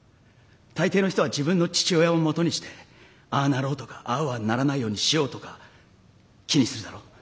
大抵の人は自分の父親をもとにしてああなろうとかああはならないようにしようとか気にするだろ？